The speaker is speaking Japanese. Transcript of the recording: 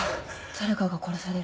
誰かが殺される。